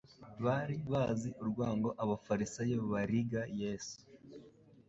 Bari bazi urwango abafarisayo bariga Yesu,